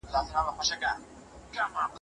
چي د «لر او بر یو افغان»